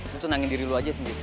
lo tenangin diri lo aja sendiri